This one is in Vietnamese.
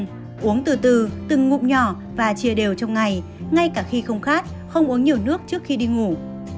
uống từ từ từng ngụm nhỏ và chia đều trong ngày ngay cả khi không khát không uống nhiều nước trước khi đi ngủ